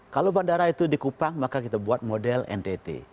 kalau bandara itu di kupang maka kita buat model ntt